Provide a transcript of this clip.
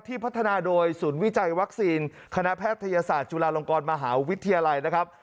พัฒนาโดยศูนย์วิจัยวัคซีนคณะแพทยศาสตร์จุฬาลงกรมหาวิทยาลัยนะครับ